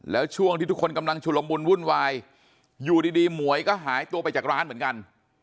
แล้วช่วงที่ทุกคนกำลังชุลมุนวุ่นวายอยู่ดีหมวยก็หายตัวไปจากร้านเหมือนกัน